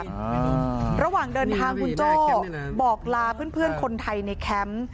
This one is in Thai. ระหว่างเดินทางคุณโจ้บอกลาเพื่อนคนไทยในแคมป์